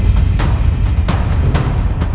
ตอนที่สุดมันกลายเป็นสิ่งที่ไม่มีความคิดว่า